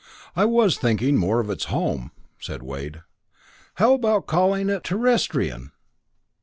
"I was thinking more of its home," said Wade. "How about calling it Terrestrian?"